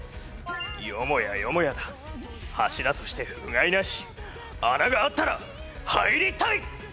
よもやよもやだ柱として不甲斐なし穴があったら入りたい！